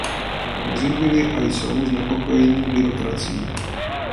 Mnozí byli a jsou znepokojeni byrokracií.